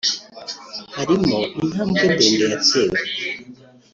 harimo intambwe ndende yatewe